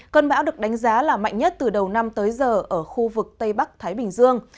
cơn bão được đánh giá là mạnh nhất từ đầu năm tới giờ ở khu vực tây bắc thái bình dương